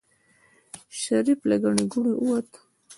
شريف له ګڼې ګوڼې ووت.